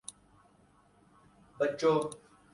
گویا ہر سمت سے جواب آئے